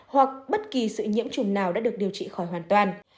hoặc bất kỳ sự nhiễm trùng nào đã được điều trị khỏi hoàn toàn